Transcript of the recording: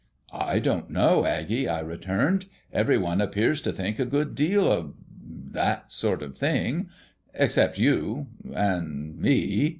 "I don't know, Aggie," I returned. "Every one appears to think a good deal of that sort of thing except you and me.